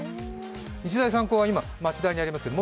日大三高は今、町田にありましたけど